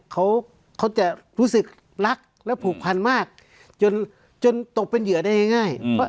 เขาเขาจะรู้สึกรักและผูกพันมากจนตกเป็นเหยื่อได้ง่าย